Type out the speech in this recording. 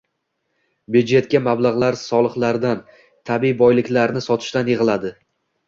Byudjetga mablag‘lar soliqlardan, tabiiy boyliklarni sotishdan yig‘iladi.